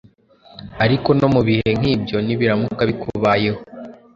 Ariko no mu bihe nk’ibyo, nibiramuka bikubayeho,